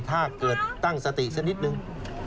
ถ้าเกิดตั้งสติสักนิดนึง